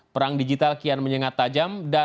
perang digital kian menyengat tajam